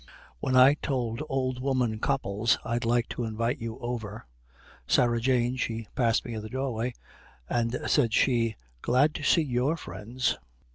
When I told old woman Copples I'd like to invite you over, Sarah Jane she passed me in the doorway, and said she, 'Glad to see your friends.'"